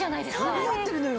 混み合ってるのよ。